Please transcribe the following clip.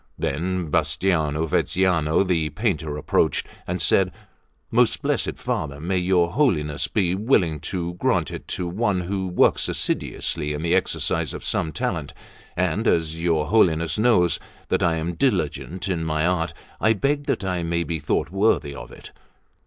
Then Bastiano Veneziano the painter approached, and said: "Most blessed Father, may your Holiness be willing to grant it to one who works assiduously in the exercise of some talent; and as your Holiness knows that I am diligent in my art, I beg that I may be thought worthy of it."